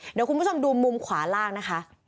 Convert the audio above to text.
เดี๋ยวคุณผู้ชมดูมุมขวาล่างนะคะ